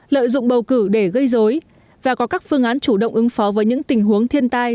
lợi dụng bầu cử để gây dối và có các phương án chủ động ứng phó với những tình huống thiên tai